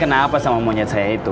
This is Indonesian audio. kenapa sama monyet saya itu